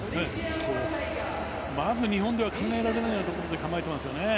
まず日本では考えられないところに構えています。